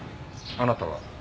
あなたは？